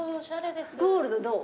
ゴールドどう？